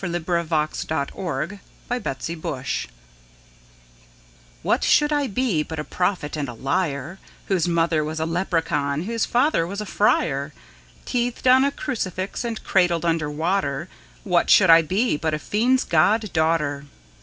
The Singing Woman from the Wood's Edge WHAT should I be but a prophet and a liar, Whose mother was a leprechaun, whose father was a friar? Teethed on a crucifix and cradled under water, What should I be but a fiend's god daughter?